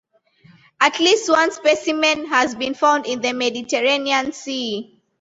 At least one specimen has been found in the Mediterranean Sea.